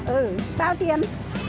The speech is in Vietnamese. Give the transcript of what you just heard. ừ bao tiền